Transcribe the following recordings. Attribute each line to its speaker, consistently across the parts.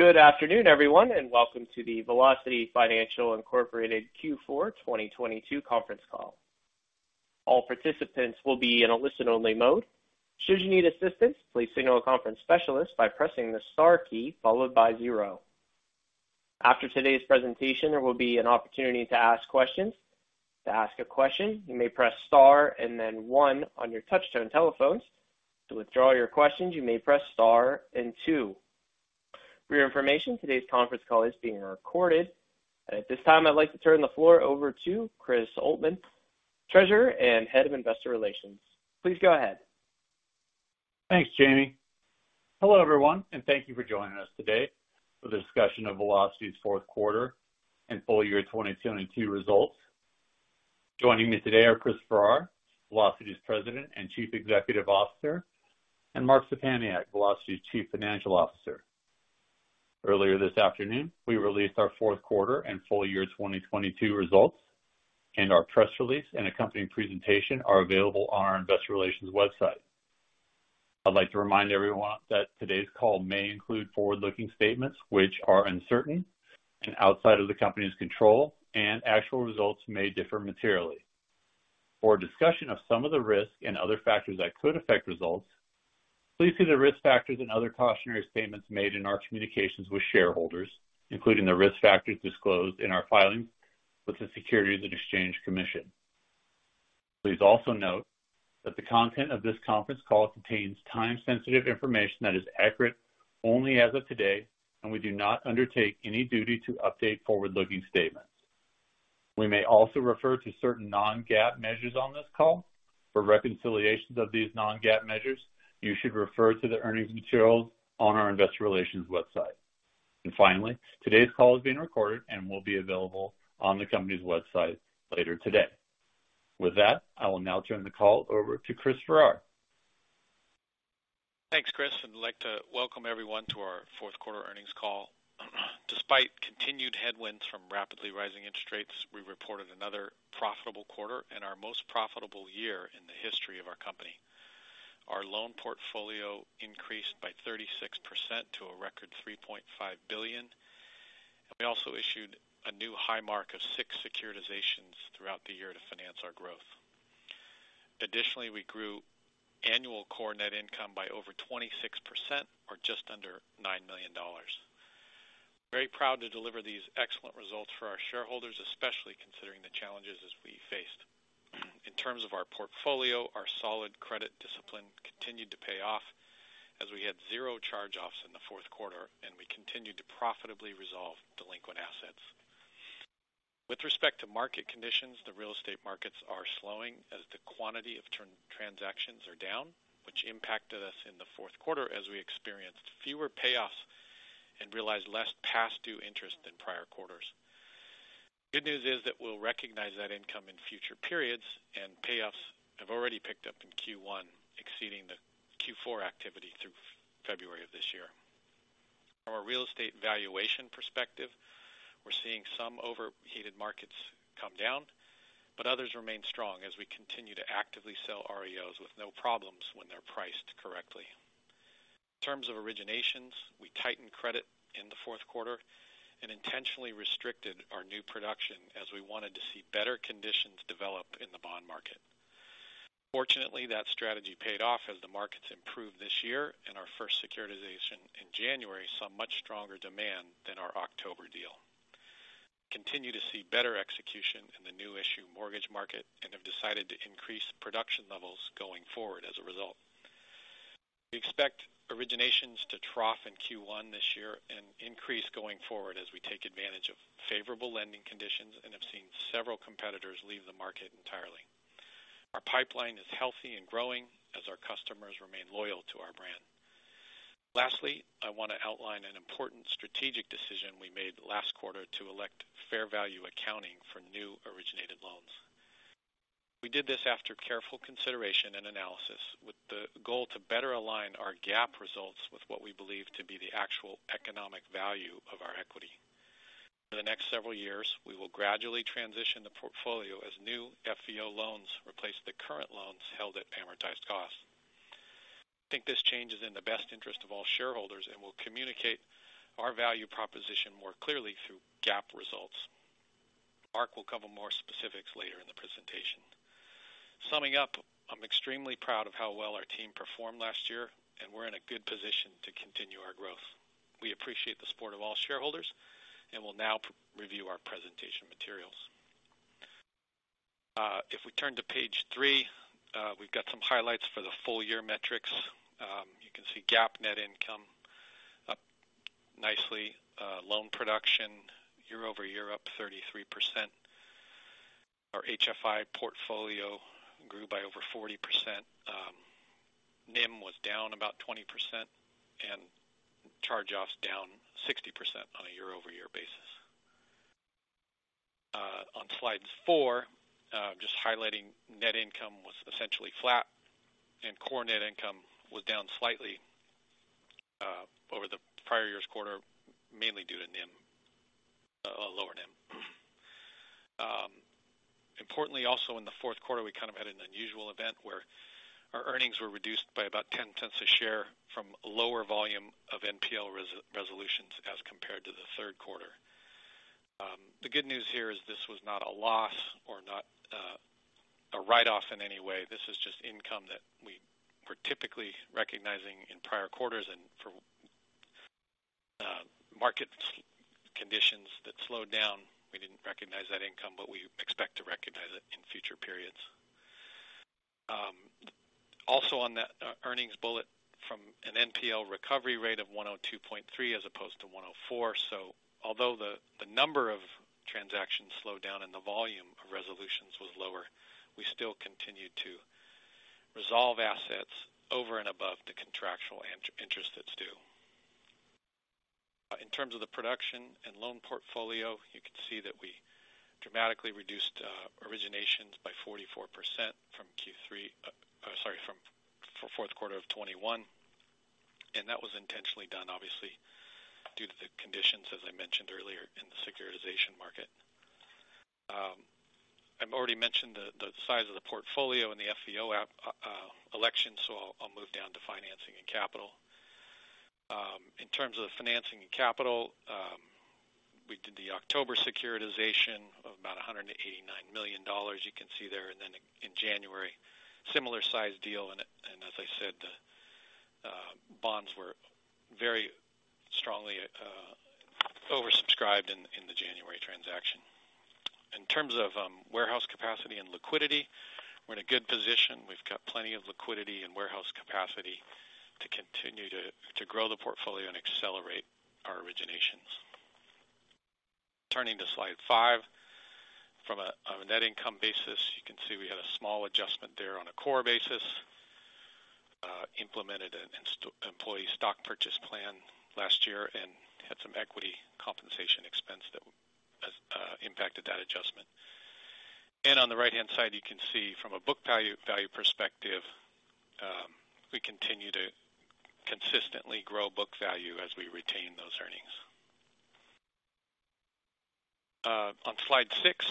Speaker 1: Good afternoon, everyone. Welcome to the Velocity Financial Incorporated Q4 2022 Conference Call. All participants will be in a listen-only mode. Should you need assistance, please signal a conference specialist by pressing the star key followed by zero. After today's presentation, there will be an opportunity to ask questions. To ask a question, you may press star and then one on your touch-tone telephones. To withdraw your questions, you may press star and two. For your information, today's conference call is being recorded. At this time, I'd like to turn the floor over to Chris Oltmann, Treasurer and Head of Investor Relations. Please go ahead.
Speaker 2: Thanks, Jamie. Hello, everyone, and thank you for joining us today for the discussion of Velocity's Fourth Quarter and Full Year 2022 Results. Joining me today are Chris Farrar, Velocity's President and Chief Executive Officer, and Mark Szczepaniak, Velocity's Chief Financial Officer. Earlier this afternoon, we released our fourth quarter and full year 2022 results. Our press release and accompanying presentation are available on our investor relations website. I'd like to remind everyone that today's call may include forward-looking statements which are uncertain and outside of the company's control, and actual results may differ materially. For a discussion of some of the risks and other factors that could affect results, please see the risk factors and other cautionary statements made in our communications with shareholders, including the risk factors disclosed in our filings with the Securities and Exchange Commission. Please also note that the content of this conference call contains time-sensitive information that is accurate only as of today, and we do not undertake any duty to update forward-looking statements. We may also refer to certain non-GAAP measures on this call. For reconciliations of these non-GAAP measures, you should refer to the earnings materials on our investor relations website. Finally, today's call is being recorded and will be available on the company's website later today. With that, I will now turn the call over to Chris Farrar.
Speaker 3: Thanks, Chris. I'd like to welcome everyone to our Fourth Quarter Earnings Call. Despite continued headwinds from rapidly rising interest rates, we reported another profitable quarter and our most profitable year in the history of our company. Our loan portfolio increased by 36% to a record $3.5 billion. We also issued a new high mark of six securitizations throughout the year to finance our growth. Additionally, we grew annual core net income by over 26% or just under $9 million. Very proud to deliver these excellent results for our shareholders, especially considering the challenges as we faced. In terms of our portfolio, our solid credit discipline continued to pay off as we had zero charge-offs in the fourth quarter. We continued to profitably resolve delinquent assets. With respect to market conditions, the real estate markets are slowing as the quantity of transactions are down, which impacted us in the fourth quarter as we experienced fewer payoffs and realized less past due interest than prior quarters. Good news is that we'll recognize that income in future periods and payoffs have already picked up in Q1, exceeding the Q4 activity through February of this year. From a real estate valuation perspective, we're seeing some overheated markets come down, but others remain strong as we continue to actively sell REOs with no problems when they're priced correctly. In terms of originations, we tightened credit in the fourth quarter and intentionally restricted our new production as we wanted to see better conditions develop in the bond market. Fortunately, that strategy paid off as the markets improved this year and our first securitization in January saw much stronger demand than our October deal. Continue to see better execution in the new issue mortgage market and have decided to increase production levels going forward as a result. We expect originations to trough in Q1 this year and increase going forward as we take advantage of favorable lending conditions and have seen several competitors leave the market entirely. Our pipeline is healthy and growing as our customers remain loyal to our brand. Lastly, I want to outline an important strategic decision we made last quarter to elect fair value accounting for new originated loans. We did this after careful consideration and analysis with the goal to better align our GAAP results with what we believe to be the actual economic value of our equity. For the next several years, we will gradually transition the portfolio as new FVO loans replace the current loans held at amortized costs. I think this change is in the best interest of all shareholders and will communicate our value proposition more clearly through GAAP results. Mark will cover more specifics later in the presentation. Summing up, I'm extremely proud of how well our team performed last year, and we're in a good position to continue our growth. We appreciate the support of all shareholders and will now review our presentation materials. If we turn to page three, we've got some highlights for the full year metrics. You can see GAAP net income up nicely. Loan production year-over-year up 33%. Our HFI portfolio grew by over 40%. NIM was down about 20% and charge-offs down 60% on a year-over-year basis. On slide four, just highlighting net income was essentially flat and core net income was down slightly over the prior year's quarter, mainly due to NIM, lower NIM. Importantly also in the fourth quarter, we kind of had an unusual event where our earnings were reduced by about $0.10 a share from lower volume of NPL resolutions as compared to the third quarter. The good news here is this was not a loss or not a write-off in any way. This is just income that we were typically recognizing in prior quarters. For market conditions that slowed down, we didn't recognize that income, but we expect to recognize it in future periods. Also on that, earnings bullet from an NPL recovery rate of 102.3 as opposed to 104. Although the number of transactions slowed down and the volume of resolutions was lower, we still continued to resolve assets over and above the contractual interest that's due. In terms of the production and loan portfolio, you can see that we dramatically reduced originations by 44% from Q3, from fourth quarter of 2021, and that was intentionally done obviously due to the conditions, as I mentioned earlier, in the securitization market. I've already mentioned the size of the portfolio and the FVO election, so I'll move down to financing and capital. In terms of financing and capital, we did the October securitization of about $189 million you can see there. Then in January, similar size deal. As I said, the bonds were very strongly oversubscribed in the January transaction. In terms of warehouse capacity and liquidity, we're in a good position. We've got plenty of liquidity and warehouse capacity to continue to grow the portfolio and accelerate our originations. Turning to slide five. On a net income basis, you can see we had a small adjustment there on a core basis. Implemented an employee stock purchase plan last year and had some equity compensation expense that impacted that adjustment. On the right-hand side, you can see from a book value perspective, we continue to consistently grow book value as we retain those earnings. On slide six,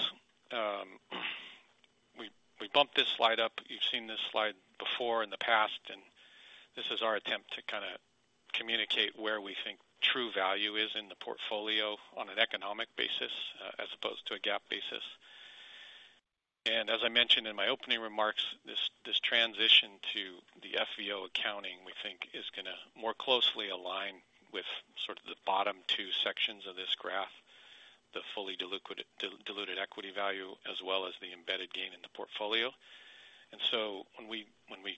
Speaker 3: we bumped this slide up. You've seen this slide before in the past, and this is our attempt to kind of communicate where we think true value is in the portfolio on an economic basis, as opposed to a GAAP basis. As I mentioned in my opening remarks, this transition to the FVO accounting, we think is gonna more closely align with sort of the bottom two sections of this graph, the fully diluted equity value, as well as the embedded gain in the portfolio. When we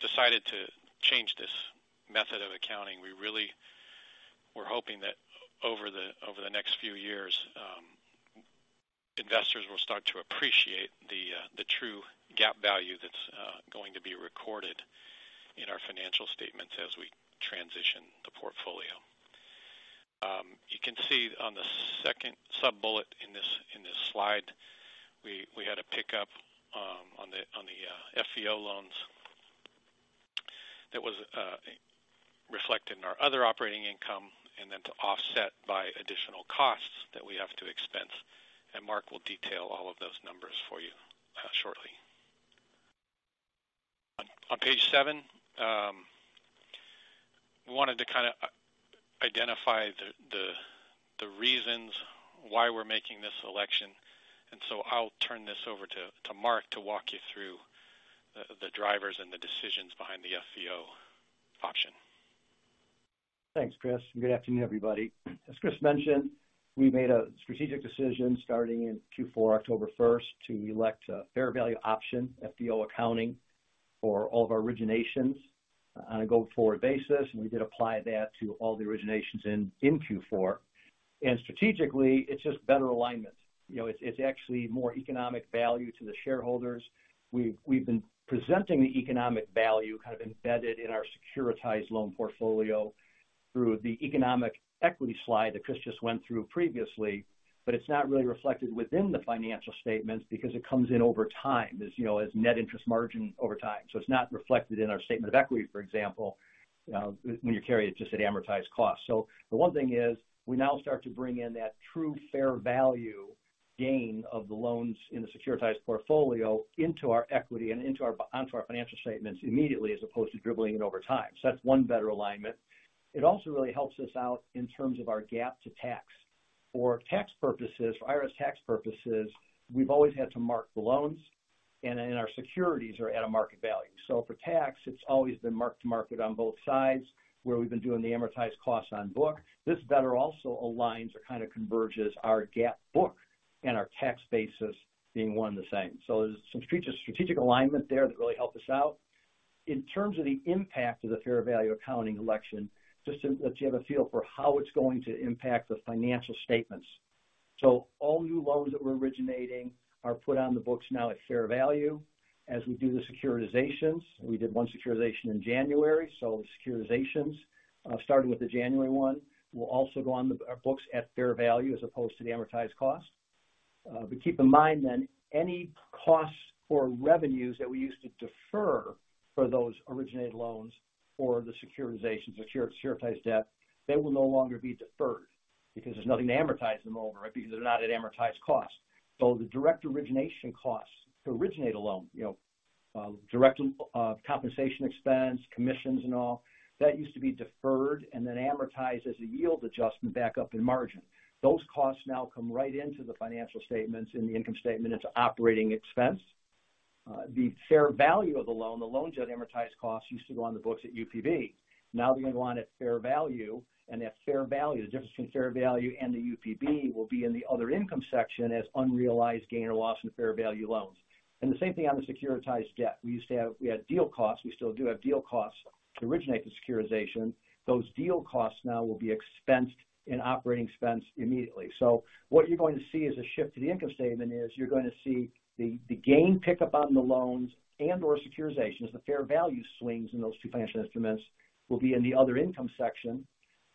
Speaker 3: decided to change this method of accounting, we really were hoping that over the next few years, investors will start to appreciate the true GAAP value that's going to be recorded in our financial statements as we transition the portfolio. You can see on the second sub-bullet in this slide, we had a pickup on the FVO loans that was reflected in our other operating income, and then to offset by additional costs that we have to expense. Mark will detail all of those numbers for you shortly. On page seven, we wanted to kind of identify the reasons why we're making this election. I'll turn this over to Mark to walk you through the drivers and the decisions behind the FVO option.
Speaker 4: Thanks, Chris. Good afternoon, everybody. As Chris mentioned, we made a strategic decision starting in Q4, October first, to elect a fair value option, FVO accounting, for all of our originations on a go-forward basis, and we did apply that to all the originations in Q4. Strategically, it's actually more economic value to the shareholders. We've been presenting the economic value kind of embedded in our securitized loan portfolio through the economic equity slide that Chris just went through previously. It's not really reflected within the financial statements because it comes in over time as, you know, as net interest margin over time. It's not reflected in our statement of equity, for example, when you carry it just at amortized cost. The one thing is, we now start to bring in that true fair value gain of the loans in the securitized portfolio into our equity and onto our financial statements immediately as opposed to dribbling it over time. That's one better alignment. It also really helps us out in terms of our GAAP to tax. For tax purposes, for IRS tax purposes, we've always had to mark the loans, and then our securities are at a market value. For tax, it's always been mark to market on both sides, where we've been doing the amortized cost on book. This better also aligns or kind of converges our GAAP book and our tax basis being one and the same. There's some strategic alignment there that really helped us out. In terms of the impact of the fair value accounting election, just to let you have a feel for how it's going to impact the financial statements. All new loans that we're originating are put on the books now at fair value. As we do the securitizations, we did one securitization in January. Securitizations, starting with the January one, will also go on the books at fair value as opposed to the amortized cost. Keep in mind then, any costs or revenues that we used to defer for those originated loans or the securitizations or securitized debt, they will no longer be deferred. Because there's nothing to amortize them over, right? Because they're not at amortized cost. The direct origination costs to originate a loan, you know, direct compensation expense, commissions and all, that used to be deferred and then amortized as a yield adjustment back up in margin. Those costs now come right into the financial statements. In the income statement, it's operating expense. The fair value of the loan, the loans you had amortized costs used to go on the books at UPB. Now they're going to go on at fair value, and at fair value, the difference between fair value and the UPB will be in the other income section as unrealized gain or loss in the fair value loans. The same thing on the securitized debt. We had deal costs. We still do have deal costs to originate the securitization. Those deal costs now will be expensed in operating expense immediately. What you're going to see as a shift to the income statement is you're going to see the gain pick up on the loans and/or securitizations. The fair value swings in those two financial instruments will be in the other income section.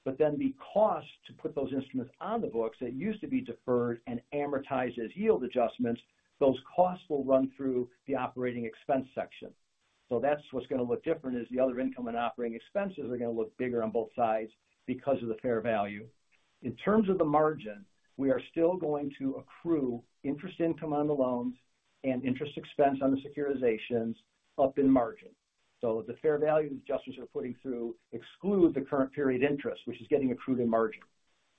Speaker 4: The cost to put those instruments on the books that used to be deferred and amortized as yield adjustments, those costs will run through the operating expense section. That's what's going to look different, is the other income and operating expenses are going to look bigger on both sides because of the fair value. In terms of the margin, we are still going to accrue interest income on the loans and interest expense on the securitizations up in margin. The fair value adjustments we're putting through exclude the current period interest, which is getting accrued in margin.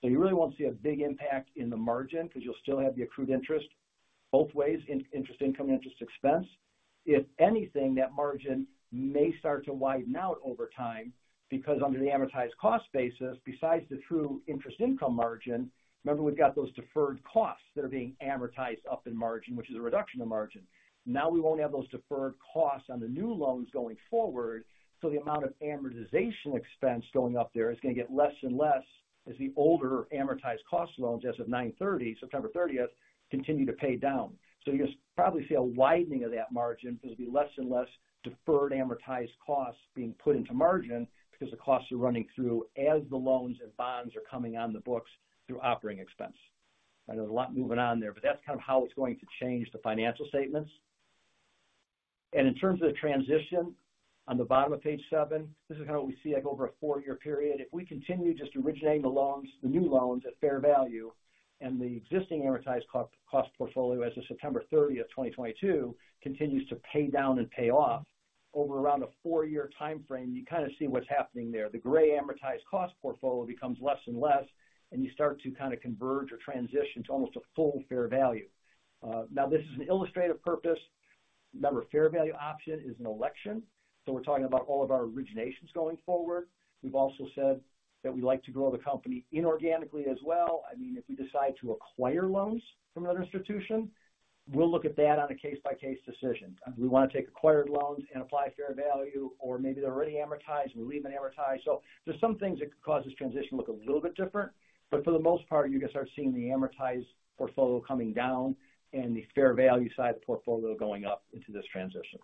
Speaker 4: You really won't see a big impact in the margin because you'll still have the accrued interest both ways, in interest income and interest expense. If anything, that margin may start to widen out over time because under the amortized cost basis, besides the true interest income margin, remember, we've got those deferred costs that are being amortized up in margin, which is a reduction of margin. We won't have those deferred costs on the new loans going forward, so the amount of amortization expense going up there is going to get less and less as the older amortized cost loans as of 9/30, September 30th, continue to pay down. You're going to probably see a widening of that margin because it'll be less and less deferred amortized costs being put into margin, because the costs are running through as the loans and bonds are coming on the books through operating expense. I know there's a lot moving on there, but that's kind of how it's going to change the financial statements. In terms of the transition, on the bottom of page seven, this is kind of what we see, like, over a four-year period. If we continue just originating the loans, the new loans at fair value and the existing amortized cost portfolio as of September 30th, 2022, continues to pay down and pay off over around a four-year timeframe, you kind of see what's happening there. The gray amortized cost portfolio becomes less and less, you start to kind of converge or transition to almost a full fair value. Now this is an illustrative purpose. Remember, Fair Value Option is an election, we're talking about all of our originations going forward. We've also said that we like to grow the company inorganically as well. I mean, if we decide to acquire loans from another institution, we'll look at that on a case-by-case decision. We want to take acquired loans and apply fair value or maybe they're already amortized and we leave them amortized. There's some things that could cause this transition to look a little bit different, but for the most part, you're going to start seeing the amortized portfolio coming down and the fair value side of the portfolio going up into this transition.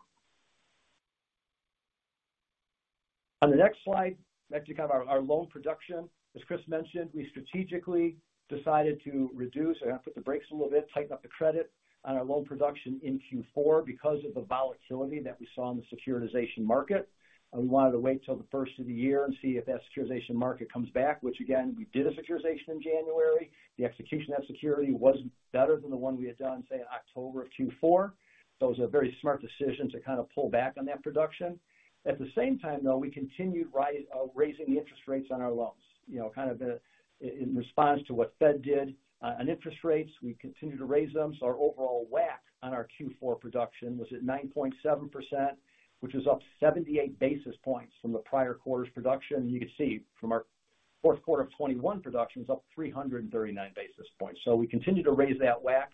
Speaker 4: On the next slide, that's kind of our loan production. As Chris mentioned, we strategically decided to reduce or kind of put the brakes a little bit, tighten up the credit on our loan production in Q4 because of the volatility that we saw in the securitization market. We wanted to wait till the first of the year and see if that securitization market comes back, which again, we did a securitization in January. The execution of that security wasn't better than the one we had done, say, in October of Q4. It was a very smart decision to kind of pull back on that production. At the same time, though, we continued raising the interest rates on our loans. You know, kind of in response to what Fed did on interest rates. We continued to raise them, Our overall WAC on our Q4 production was at 9.7%, which is up 78 basis points from the prior quarter's production. You can see from our fourth quarter of 2021 production was up 339 basis points. We continued to raise that WAC.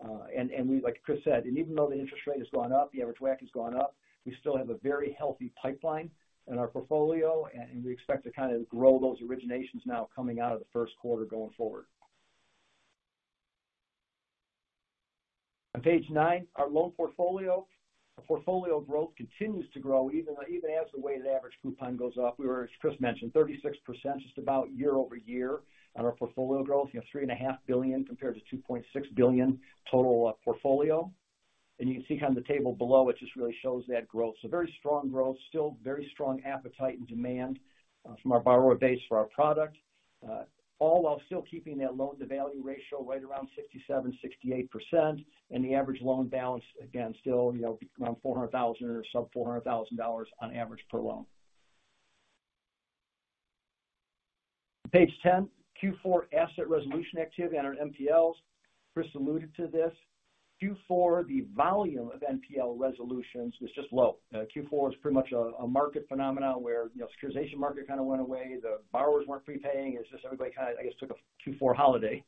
Speaker 4: And we like Chris said, even though the interest rate has gone up, the average WAC has gone up, we still have a very healthy pipeline in our portfolio, and we expect to kind of grow those originations now coming out of the first quarter going forward. On page nine, our loan portfolio. Portfolio growth continues to grow even as the weighted average coupon goes up. We were, as Chris mentioned, 36% just about year-over-year on our portfolio growth. You have $3.5 billion compared to $2.6 billion total portfolio. You can see kind of the table below, it just really shows that growth. Very strong growth, still very strong appetite and demand from our borrower base for our product, all while still keeping that loan-to-value ratio right around 67%-68%. The average loan balance, again, still, you know, around $400,000 or sub $400,000 on average per loan. Page 10, Q4 asset resolution activity on our NPLs. Chris alluded to this. Q4, the volume of NPL resolutions was just low. Q4 was pretty much a market phenomenon where, you know, securitization market kind of went away. The borrowers weren't prepaying. It's just everybody kind of, I guess, took a Q4 holiday.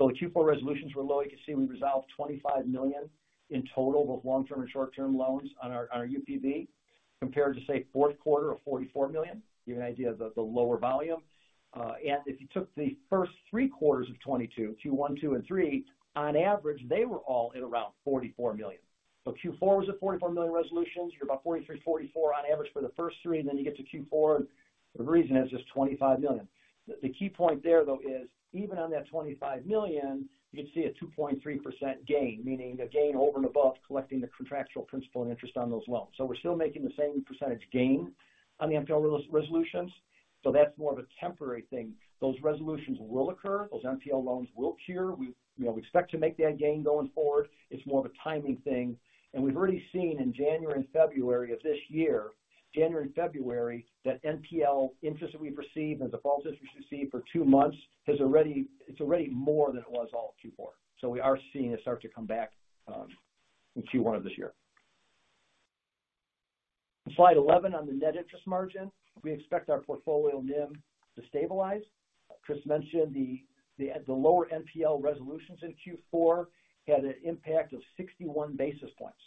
Speaker 4: Q4 resolutions were low. You can see we resolved $25 million in total, both long-term and short-term loans on our UPB, compared to, say, fourth quarter of $44 million. Give you an idea of the lower volume. If you took the first three quarters of 2022, Q1, Q2, and Q3, on average, they were all at around $44 million. Q4 was at $44 million resolutions. You're about 43, 44 on average for the first three, you get to Q4, for whatever reason it's just $25 million. The key point there, though, is even on that $25 million, you could see a 2.3% gain, meaning a gain over and above collecting the contractual principal and interest on those loans. We're still making the same percentage gain on the NPL resolutions. That's more of a temporary thing. Those resolutions will occur. Those NPL loans will cure. We, you know, expect to make that gain going forward. It's more of a timing thing. We've already seen in January and February of this year, January and February, that NPL interest that we've received and defaulted we've received for two months it's already more than it was all of Q4. We are seeing it start to come back in Q1 of this year. Slide 11. On the net interest margin, we expect our portfolio NIM to stabilize. Chris mentioned the lower NPL resolutions in Q4 had an impact of 61 basis points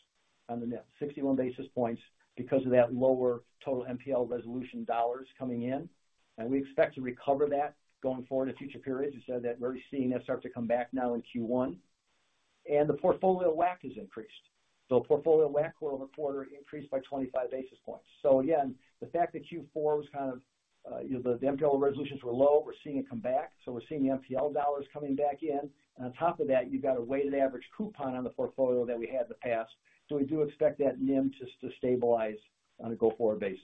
Speaker 4: on the NIM. 61 basis points because of that lower total NPL resolution dollars coming in. We expect to recover that going forward in future periods. We said that we're seeing that start to come back now in Q1. The portfolio WAC has increased. Portfolio WAC quarter-over-quarter increased by 25 basis points. Again, the fact that Q4 was kind of, you know, the NPL resolutions were low, we're seeing it come back, so we're seeing the NPL dollars coming back in. On top of that, you've got a weighted average coupon on the portfolio that we had in the past. We do expect that NIM just to stabilize on a go-forward basis.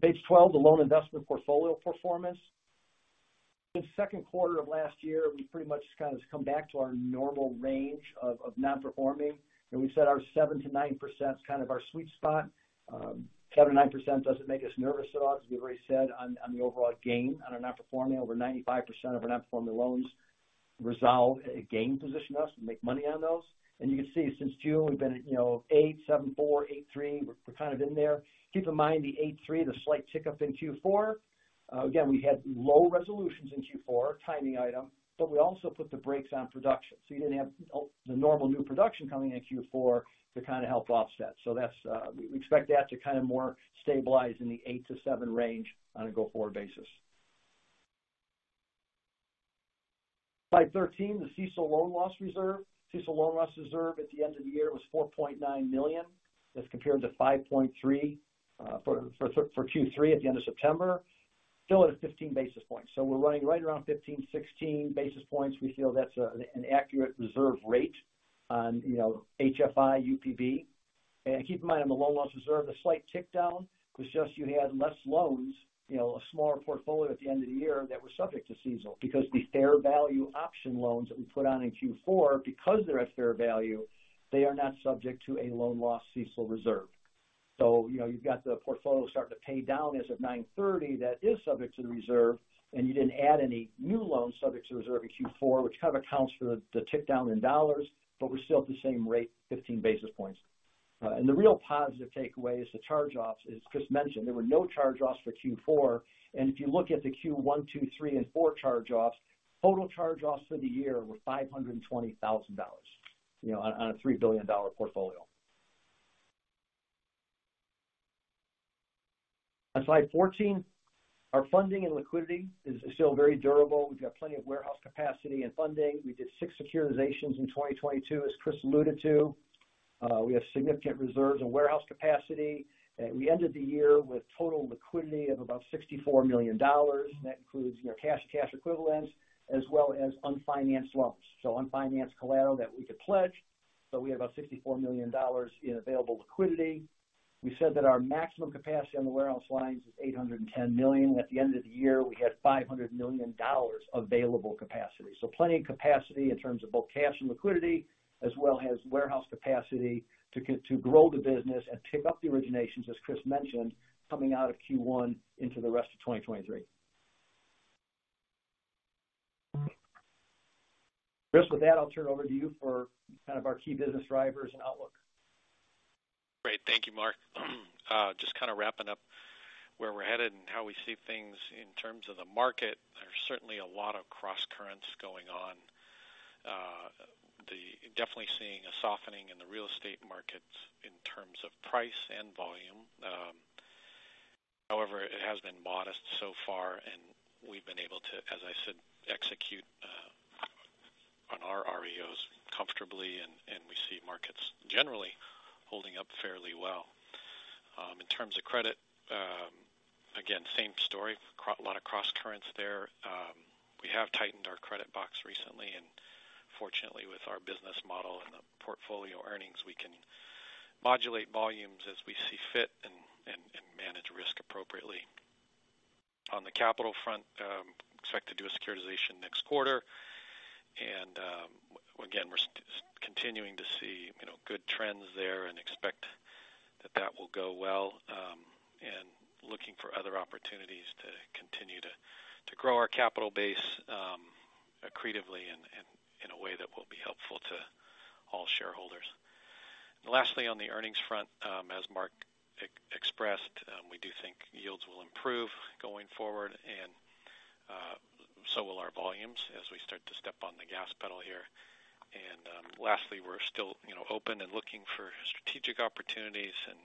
Speaker 4: Page 12, the loan investment portfolio performance. The second quarter of last year, we pretty much kind of come back to our normal range of non-performing. We said our 7%-9%'s kind of our sweet spot. 7%-9% doesn't make us nervous at all, as we've already said, on the overall gain on our non-performing. Over 95% of our non-performing loans resolve, gain position us. We make money on those. You can see since June, we've been at, you know, 8.74, 8.3. We're kind of in there. Keep in mind, the 8.3, the slight tick up in Q4. Again, we had low resolutions in Q4, timing item, but we also put the brakes on production. You didn't have the normal new production coming in Q4 to kind of help offset. That's, we expect that to kind of more stabilize in the eight to seven range on a go-forward basis. Slide 13, the CECL loan loss reserve. CECL loan loss reserve at the end of the year was $4.9 million. That's compared to $5.3 million for Q3 at the end of September. Still at a 15 basis points. We're running right around 15, 16 basis points. We feel that's an accurate reserve rate on, you know, HFI UPB. Keep in mind, on the loan loss reserve, the slight tick down was just you had less loans, you know, a smaller portfolio at the end of the year that was subject to CECL because the fair value option loans that we put on in Q4, because they're at fair value, they are not subject to a loan loss CECL reserve. You know, you've got the portfolio starting to pay down as of 9/30 that is subject to the reserve, and you didn't add any new loans subject to reserve in Q4, which kind of accounts for the tick down in dollars, but we're still at the same rate, 15 basis points. The real positive takeaway is the charge-offs. As Chris mentioned, there were no charge-offs for Q4. If you look at the Q1, Q2, Q3, and Q4 charge-offs, total charge-offs for the year were $520,000, you know, on a $3 billion portfolio. On slide 14, our funding and liquidity is still very durable. We've got plenty of warehouse capacity and funding. We did six securitizations in 2022, as Chris alluded to. We have significant reserves and warehouse capacity. We ended the year with total liquidity of about $64 million. That includes, you know, cash equivalents, as well as unfinanced loans, so unfinanced collateral that we could pledge. We have about $64 million in available liquidity. We said that our maximum capacity on the warehouse lines is $810 million. At the end of the year, we had $500 million available capacity. Plenty of capacity in terms of both cash and liquidity, as well as warehouse capacity to grow the business and pick up the originations, as Chris mentioned, coming out of Q1 into the rest of 2023. Chris, with that, I'll turn it over to you for kind of our key business drivers and outlook.
Speaker 3: Great. Thank you, Mark. Just kind of wrapping up where we're headed and how we see things in terms of the market. There's certainly a lot of crosscurrents going on. Definitely seeing a softening in the real estate markets in terms of price and volume. However, it has been modest so far, and we've been able to, as I said, execute on our REOs comfortably, and we see markets generally holding up fairly well. In terms of credit, again, same story. A lot of crosscurrents there. We have tightened our credit box recently, and fortunately, with our business model and the portfolio earnings, we can modulate volumes as we see fit and manage risk appropriately. On the capital front, expect to do a securitization next quarter. Again, we're continuing to see, you know, good trends there and expect that that will go well, and looking for other opportunities to continue to grow our capital base, accretively in, in a way that will be helpful to all shareholders. Lastly, on the earnings front, as Mark expressed, we do think yields will improve going forward and so will our volumes as we start to step on the gas pedal here. Lastly, we're still, you know, open and looking for strategic opportunities and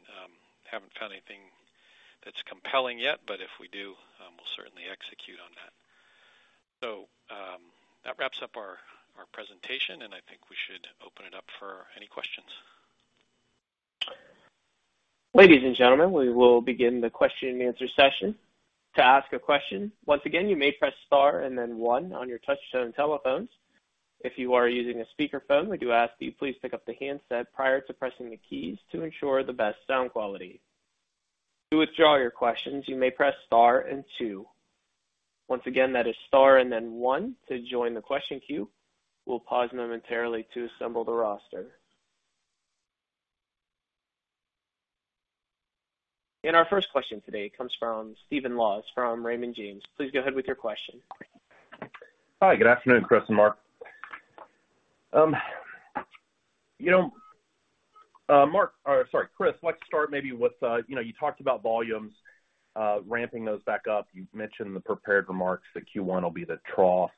Speaker 3: haven't found anything that's compelling yet, but if we do, we'll certainly execute on that. That wraps up our presentation, and I think we should open it up for any questions.
Speaker 1: Ladies and gentlemen, we will begin the question and answer session. To ask a question, once again, you may press star and then one on your touch-tone telephones. If you are using a speakerphone, we do ask that you please pick up the handset prior to pressing the keys to ensure the best sound quality. To withdraw your questions, you may press star and two. Once again, that is star and then one to join the question queue. We'll pause momentarily to assemble the roster. Our first question today comes from Stephen Laws from Raymond James. Please go ahead with your question.
Speaker 5: Hi. Good afternoon, Chris and Mark. You know, or sorry, Chris, let's start maybe with, you know, you talked about volumes, ramping those back up. You've mentioned the prepared remarks that Q1 will be the trough.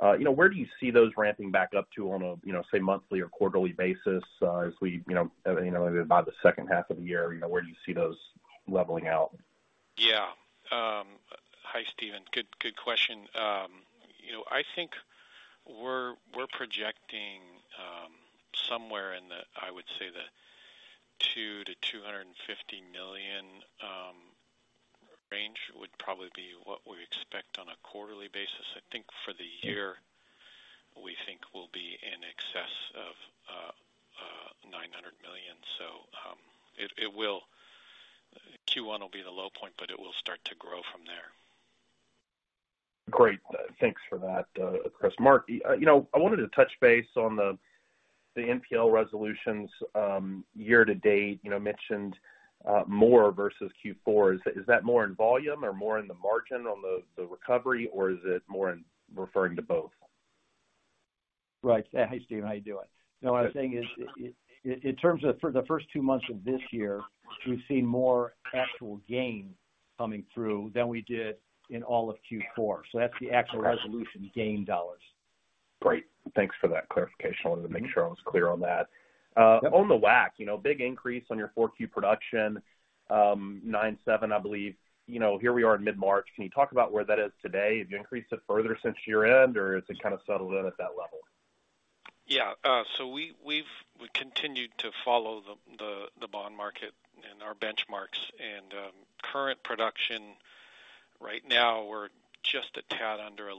Speaker 5: You know, where do you see those ramping back up to on a, you know, say, monthly or quarterly basis, as we, you know, by the second half of the year, you know, where do you see those leveling out?
Speaker 3: Yeah. Hi, Stephen. Good question. You know, I think we're projecting somewhere in the, I would say, the $2 million-$250 million range would probably be what we expect on a quarterly basis. I think for the year, we think we'll be in excess of $900 million. Q1 will be the low point, but it will start to grow from there.
Speaker 5: Great. Thanks for that, Chris. Mark, you know, I wanted to touch base on the NPL resolutions year to date, you know, mentioned more versus Q4. Is that more in volume or more in the margin on the recovery, or is it more in referring to both?
Speaker 4: Right. Hey, Stephen, how you doing? What I'm saying is, in terms of for the first two months of this year, we've seen more actual gain coming through than we did in all of Q4. That's the actual resolution gain dollars.
Speaker 5: Great. Thanks for that clarification. I wanted to make sure I was clear on that. On the WAC, you know, big increase on your 4Q production, 9.7%, I believe. You know, here we are in mid-March. Can you talk about where that is today? Have you increased it further since year-end, or has it kind of settled in at that level?
Speaker 3: Yeah. We continued to follow the bond market and our benchmarks. Current production right now we're just a tad under 11%.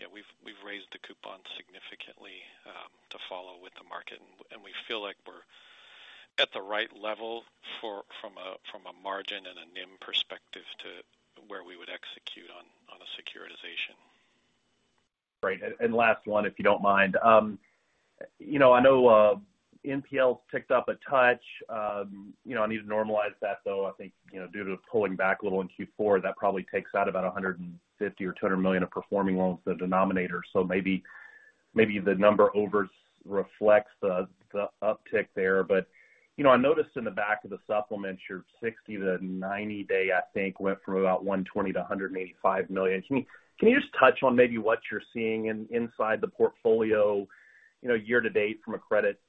Speaker 3: Yeah, we've raised the coupon significantly, to follow with the market, and we feel like we're at the right level from a margin and a NIM perspective to where we would execute on a securitization.
Speaker 5: Great. Last one, if you don't mind. You know, I know NPL ticked up a touch. You know, I need to normalize that, though. I think, you know, due to pulling back a little in Q4, that probably takes out about $150 million or $200 million of performing loans, the denominator. Maybe the number over reflects the uptick there. You know, I noticed in the back of the supplements, your 60-90 day, I think, went from about $120 million-$185 million. Can you just touch on maybe what you're seeing inside the portfolio, you know, year to date from a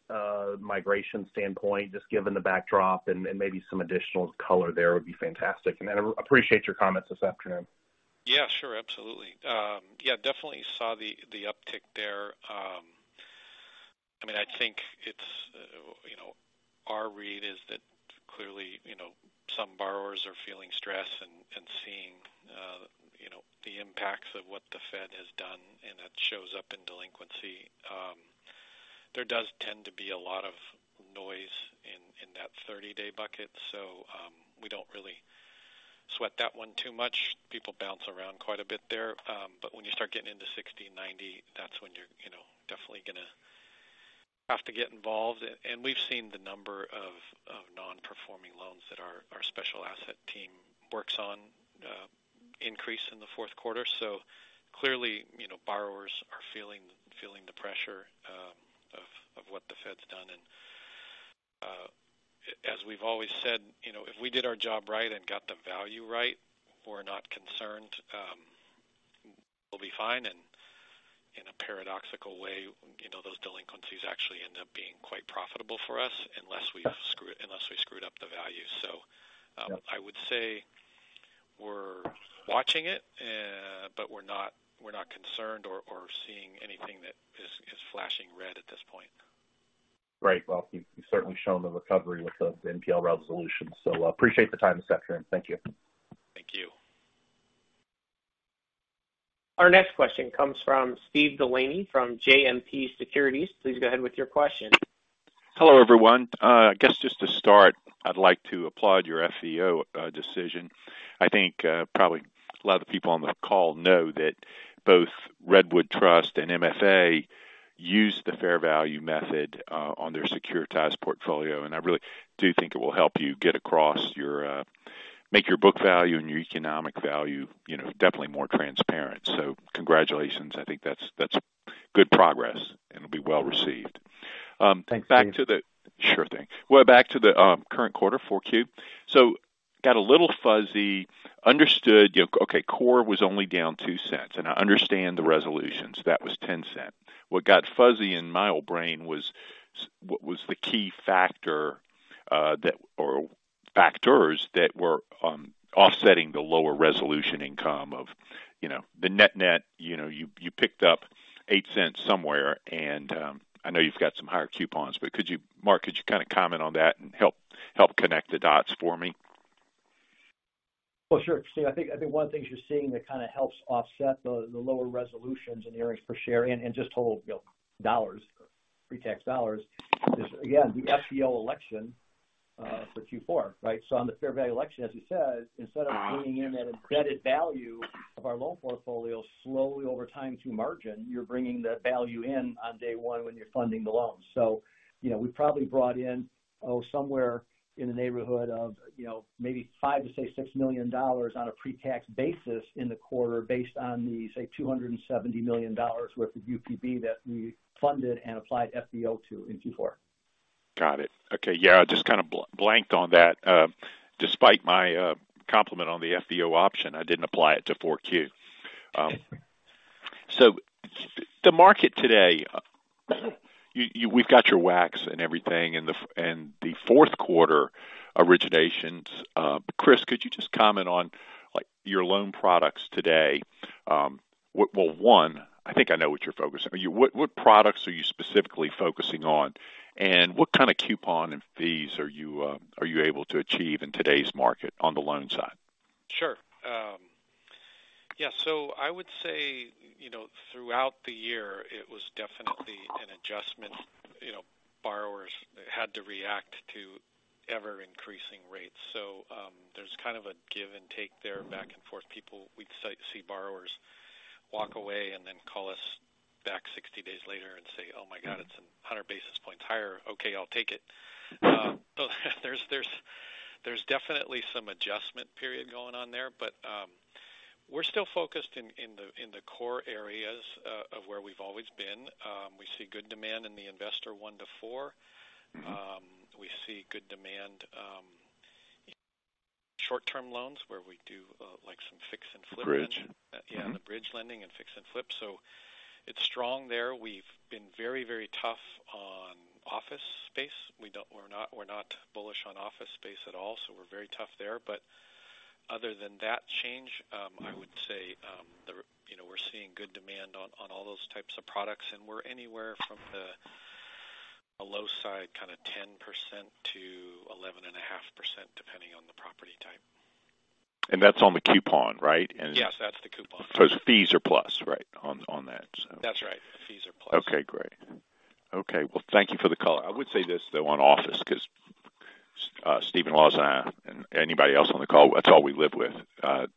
Speaker 5: credit migration standpoint, just given the backdrop and maybe some additional color there would be fantastic. I appreciate your comments this afternoon.
Speaker 3: Yeah, sure. Absolutely. Yeah, definitely saw the uptick there. I mean, I think it's, you know, our read is that clearly, you know, some borrowers are feeling stress and seeing, you know, the impacts of what the Fed has done. It shows up in delinquency. There does tend to be a lot of noise in that 30-day bucket, so we don't really sweat that one too much. People bounce around quite a bit there. When you start getting into 60 and 90, that's when you're, you know, definitely gonna have to get involved. We've seen the number of non-performing loans that our special asset team works on, increase in the fourth quarter. Clearly, you know, borrowers are feeling the pressure of what the Fed's done. As we've always said, you know, if we did our job right and got the value right, we're not concerned. We'll be fine. In a paradoxical way, you know, those delinquencies actually end up being quite profitable for us unless we screwed up the value. I would say we're watching it, but we're not concerned or seeing anything that is flashing red at this point.
Speaker 5: Right. Well, you've certainly shown the recovery with the NPL resolution. Appreciate the time this afternoon. Thank you.
Speaker 3: Thank you.
Speaker 1: Our next question comes from Steve DeLaney from JMP Securities. Please go ahead with your question.
Speaker 6: Hello, everyone. I guess just to start, I'd like to applaud your FVO decision. I think probably a lot of people on the call know that both Redwood Trust and MFA use the fair value method on their securitized portfolio. I really do think it will help you get across your make your book value and your economic value, you know, definitely more transparent. Congratulations. I think that's good progress. It'll be well received.
Speaker 3: Thanks, Steve.
Speaker 6: Sure thing. Back to the current quarter, 4Q. Got a little fuzzy. Understood, you know, okay, core was only down $0.02, and I understand the resolutions. That was $0.10. What got fuzzy in my old brain was what was the key factor that or factors that were offsetting the lower resolution income of, you know, the net-net, you know, you picked up $0.08 somewhere. I know you've got some higher coupons, but Mark, could you kind of comment on that and help connect the dots for me?
Speaker 4: Well, sure. Steve, I think one of the things you're seeing that kind of helps offset the lower resolutions and earnings per share and just total, you know, dollars, pre-tax dollars is again, the FVO election for Q4, right? On the fair value election, as you said, instead of bringing in that embedded value of our loan portfolio slowly over time through margin, you're bringing the value in on day one when you're funding the loan. You know, we probably brought in somewhere in the neighborhood of, you know, maybe $5 million to say $6 million on a pre-tax basis in the quarter based on the, say, $270 million worth of UPB that we funded and applied FVO to in Q4.
Speaker 6: Got it. Okay. Yeah, I just kind of blanked on that. Despite my compliment on the FVO, I didn't apply it to four Q. The market today, we've got your WACs and everything and the fourth quarter originations. Chris, could you just comment on, like, your loan products today? Well, one, I think I know what you're focusing. What products are you specifically focusing on, and what kind of coupon and fees are you able to achieve in today's market on the loan side?
Speaker 3: Sure. I would say, you know, throughout the year it was definitely an adjustment. You know, borrowers had to react to ever-increasing rates. There's kind of a give and take there, back and forth. We'd start to see borrowers walk away and then call us back 60 days later and say, "Oh my God, it's 100 basis points higher. Okay, I'll take it." There's definitely some adjustment period going on there. We're still focused in the core areas of where we've always been. We see good demand in the investor one to four.
Speaker 6: Mm-hmm.
Speaker 3: We see good demand, in short-term loans where we do, like some fix and flip.
Speaker 6: Bridge.
Speaker 3: Yeah, the bridge lending and fix and flip. It's strong there. We've been very tough on office space. We're not bullish on office space at all. We're very tough there. Other than that change, I would say, you know, we're seeing good demand on all those types of products, and we're anywhere from the low side, kind of 10%-11.5%, depending on the property type.
Speaker 6: That's on the coupon, right?
Speaker 3: Yes, that's the coupon.
Speaker 6: It's fees or plus, right, on that so.
Speaker 3: That's right. Fees or plus.
Speaker 6: Okay, great. Okay. Thank you for the color. I would say this, though, on office, 'cause Stephen Laws and I, and anybody else on the call, that's all we live with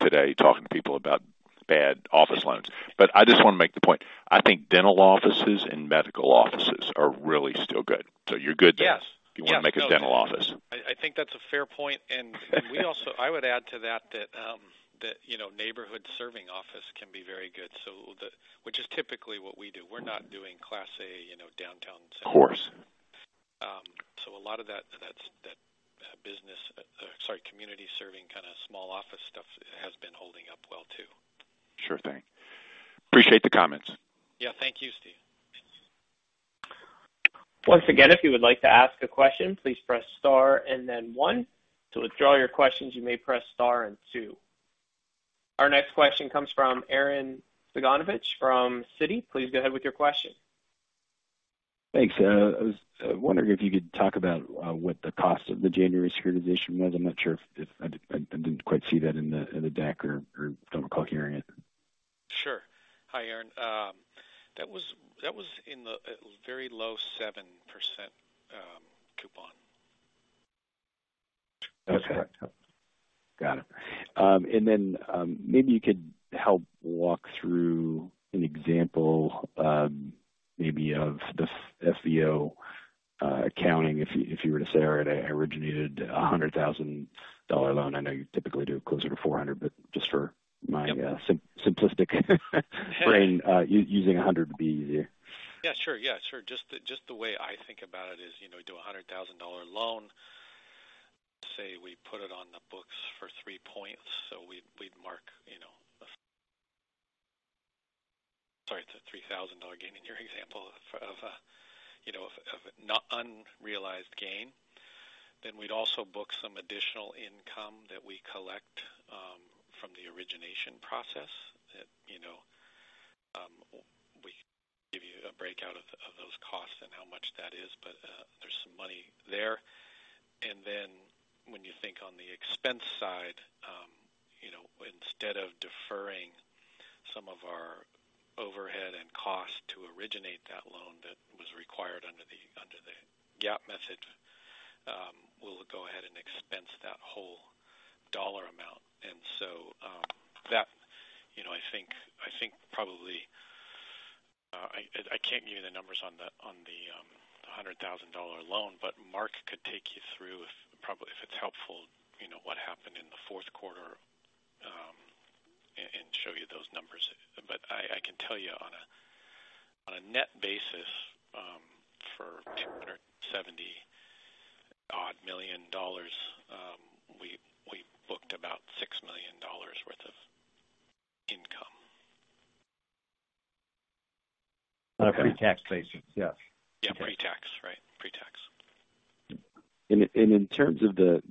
Speaker 6: today, talking to people about bad office loans. I just wanna make the point, I think dental offices and medical offices are really still good. You're good there.
Speaker 3: Yes.
Speaker 6: If you wanna make a dental office.
Speaker 3: I think that's a fair point. I would add to that, you know, neighborhood serving office can be very good. Which is typically what we do. We're not doing Class A, you know, downtown center.
Speaker 6: Of course.
Speaker 3: A lot of that business, sorry, community serving kind of small office stuff has been holding up well, too.
Speaker 6: Sure thing. Appreciate the comments.
Speaker 3: Yeah. Thank you, Steve.
Speaker 1: Once again, if you would like to ask a question, please press star and then one. To withdraw your questions, you may press star and two. Our next question comes from Arren Cyganovich from Citi. Please go ahead with your question.
Speaker 7: Thanks. I was wondering if you could talk about what the cost of the January securitization was. I'm not sure if I didn't quite see that in the deck or don't recall hearing it.
Speaker 3: Sure. Hi, Arren. that was in the very low 7% coupon.
Speaker 7: Okay. Got it. Maybe you could help walk through an example, maybe of the FVO accounting if you were to say, all right, I originated a $100,000 loan. I know you typically do closer to $400,000.
Speaker 3: Yep.
Speaker 7: Simplistic brain, using 100 would be easier.
Speaker 3: Yeah, sure. Just the way I think about it is, you know, do a $100,000 loan. Say we put it on the books for three points. We'd mark, you know, Sorry, it's a $3,000 gain in your example of, you know, of unrealized gain. We'd also book some additional income that we collect from the origination process that, you know, we give you a breakout of those costs and how much that is. There's some money there. When you think on the expense side, you know, instead of deferring some of our overhead and cost to originate that loan that was required under the GAAP method, we'll go ahead and expense that whole dollar amount. That, you know, I think probably, I can't give you the numbers on the $100,000 loan, but Mark could take you through if, probably, if it's helpful, you know, what happened in the fourth quarter, and show you those numbers. But I can tell you on a net basis, for $270 odd million, we booked about $6 million worth of income.
Speaker 6: On a pre-tax basis. Yes.
Speaker 3: Yeah, pre-tax. Right. Pre-tax.
Speaker 7: In terms of the,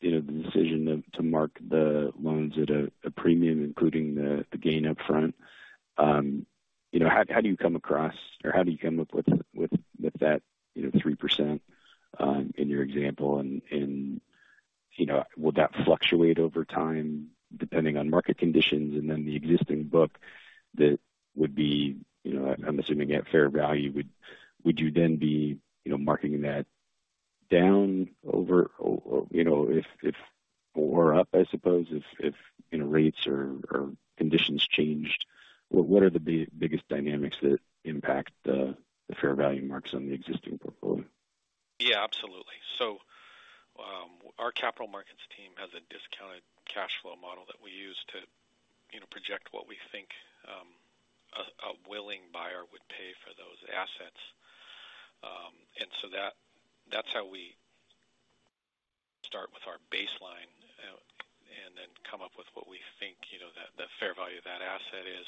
Speaker 7: you know, the decision to mark the loans at a premium, including the gain up front, you know, how do you come across or how do you come up with that, you know, 3%? In your example and, you know, would that fluctuate over time depending on market conditions and then the existing book that would be, you know, I'm assuming at fair value, would you then be, you know, marking that down over or, you know, if or up, I suppose, if, you know, rates or conditions changed? What are the biggest dynamics that impact the fair value marks on the existing portfolio?
Speaker 3: Yeah, absolutely. Our capital markets team has a discounted cash flow model that we use to, you know, project what we think a willing buyer would pay for those assets. That's how we start with our baseline then come up with what we think, you know, the fair value of that asset is.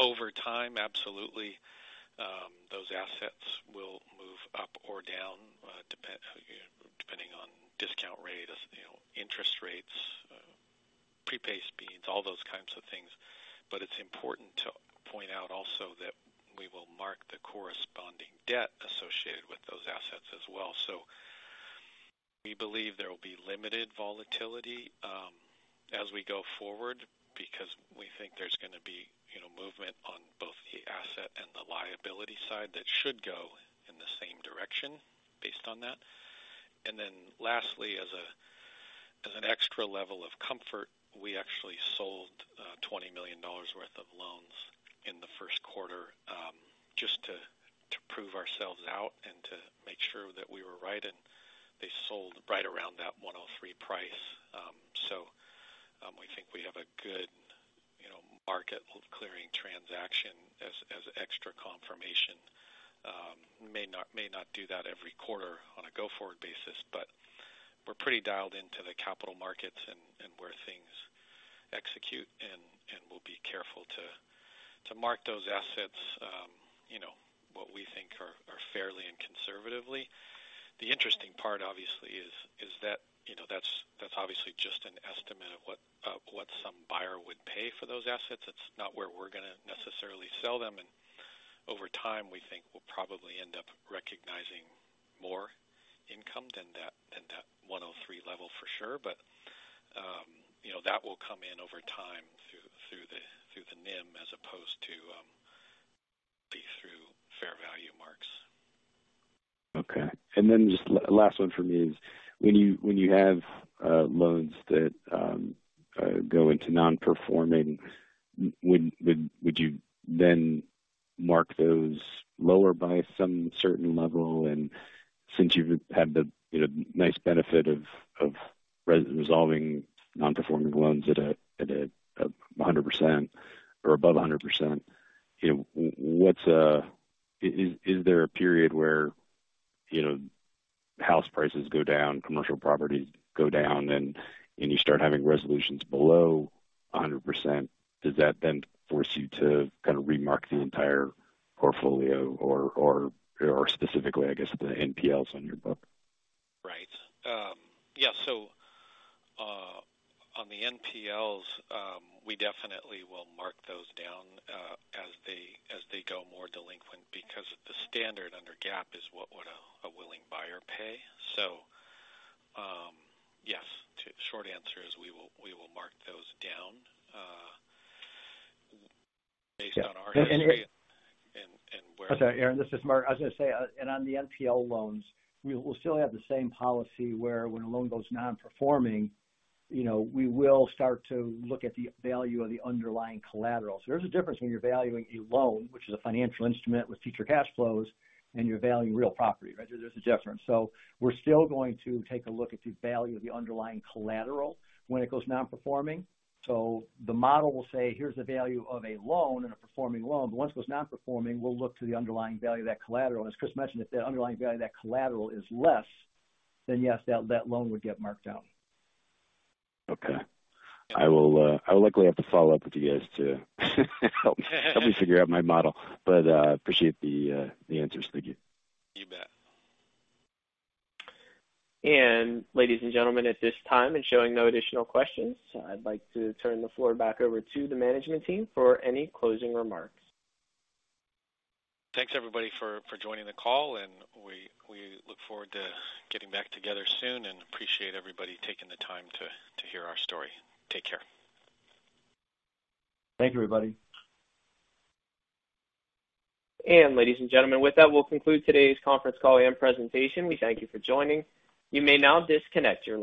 Speaker 3: Over time, absolutely, those assets will move up or down, you know, depending on discount rate, you know, interest rates, prepay speeds, all those kinds of things. It's important to point out also that we will mark the corresponding debt associated with those assets as well. We believe there will be limited volatility, as we go forward because we think there's gonna be, you know, movement on both the asset and the liability side that should go in the same direction based on that. Lastly, as an extra level of comfort, we actually sold, $20 million worth of loans in the first quarter, just to prove ourselves out and to make sure that we were right, and they sold right around that 103 price. We think we have a good, you know, market clearing transaction as extra confirmation. May not do that every quarter on a go-forward basis, but we're pretty dialed into the capital markets and where things execute, and we'll be careful to mark those assets, you know, what we think are fairly and conservatively. The interesting part obviously is that, you know, that's obviously just an estimate of what some buyer would pay for those assets. It's not where we're gonna necessarily sell them. Over time, we think we'll probably end up recognizing more income than that 103 level for sure. you know, that will come in over time through the NIM as opposed to be through fair value marks.
Speaker 7: Okay. Just last one for me is when you, when you have loans that go into non-performing, would you then mark those lower by some certain level? Since you've had the, you know, nice benefit of re-resolving non-performing loans at 100% or above 100%, you know, is there a period where, you know, house prices go down, commercial properties go down, and you start having resolutions below 100%? Does that then force you to kind of remark the entire portfolio or specifically, I guess, the NPLs on your book?
Speaker 3: Right. Yeah. On the NPLs, we definitely will mark those down as they go more delinquent because the standard under GAAP is what would a willing buyer pay. Yes, short answer is we will mark those down based on our history and where-
Speaker 4: I'm sorry, Arren, this is Mark. I was gonna say, on the NPL loans, we will still have the same policy where when a loan goes non-performing, you know, we will start to look at the value of the underlying collateral. There's a difference when you're valuing a loan, which is a financial instrument with future cash flows, and you're valuing real property, right? There's a difference. We're still going to take a look at the value of the underlying collateral when it goes non-performing. The model will say, here's the value of a loan and a performing loan, once it goes non-performing, we'll look to the underlying value of that collateral. As Chris mentioned, if the underlying value of that collateral is less, yes, that loan would get marked down.
Speaker 7: Okay. I will likely have to follow up with you guys to help me figure out my model. I appreciate the answers. Thank you.
Speaker 3: You bet.
Speaker 1: Ladies and gentlemen, at this time and showing no additional questions, I'd like to turn the floor back over to the management team for any closing remarks.
Speaker 3: Thanks everybody for joining the call. We look forward to getting back together soon and appreciate everybody taking the time to hear our story. Take care.
Speaker 4: Thank you, everybody.
Speaker 1: Ladies and gentlemen, with that, we'll conclude today's conference call and presentation. We thank you for joining. You may now disconnect your line.